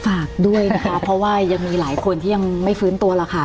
ฝากด้วยนะคะเพราะว่ายังมีหลายคนที่ยังไม่ฟื้นตัวหรอกค่ะ